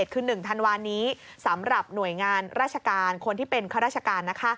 คือ๑ธันวานี้สำหรับหน่วยงานราชการคนที่เป็นข้าราชการ